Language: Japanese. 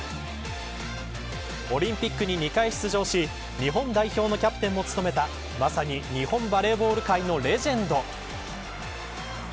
オリンピックに２回出場し日本代表のキャプテンも務めたまさに日本バレーボール界のレジェンド。